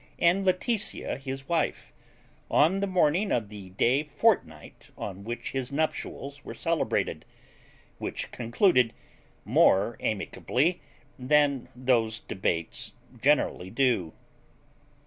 AND LAETITIA HIS WIFE, ON THE MORNING OF THE DAY FORTNIGHT ON WHICH HIS NUPTIALS WERE CELEBRATED; WHICH CONCLUDED MORE AMICABLY THAN THOSE DEBATES GENERALLY DO.